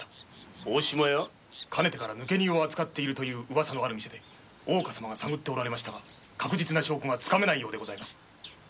かねてから抜け荷を扱っているという噂のある店で大岡様が探っておられましたが確実な証拠がつかめないようでございます。